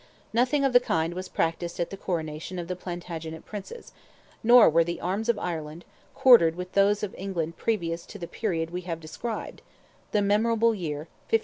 Nothing of the kind was practised at the coronation of the Plantagenet Princes, nor were the arms of Ireland quartered with those of England previous to the period we have described—the memorable year, 1541.